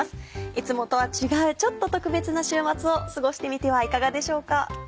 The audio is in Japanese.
いつもとは違うちょっと特別な週末を過ごしてみてはいかがでしょうか。